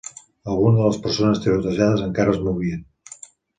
Algunes de les persones tirotejades encara es movien.